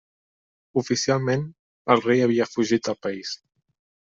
Oficialment el rei havia fugit del país.